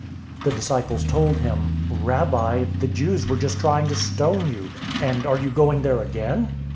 011:008 The disciples told him, "Rabbi, the Jews were just trying to stone you, and are you going there again?"